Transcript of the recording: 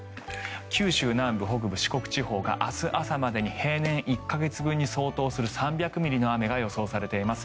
九州南部、北部、四国地方が明日朝までに平年１か月分に相当する３００ミリの雨が予想されています。